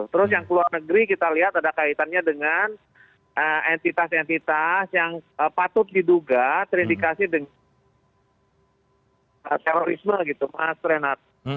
terus yang ke luar negeri kita lihat ada kaitannya dengan entitas entitas yang patut diduga terindikasi dengan terorisme gitu mas renat